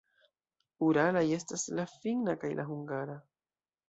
Uralaj estas la finna kaj la hungara.